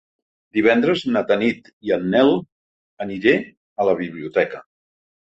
Divendres na Tanit i en Nel aniré a la biblioteca.